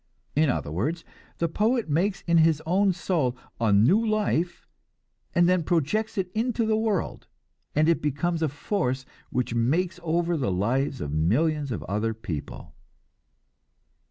In other words, the poet makes in his own soul a new life, and then projects it into the world, and it becomes a force which makes over the lives of millions of other people.